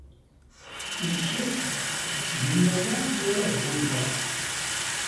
Imcac ttgen aya mi ara bɣun kra.